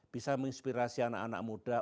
bisa menginspirasi anak anak muda